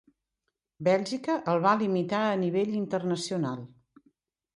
Bèlgica el va limitar a nivell internacional.